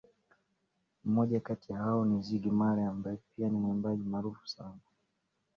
Mmoja kati ya hao ni Ziggy Marley ambaye pia ni mwimbaji maarufu sana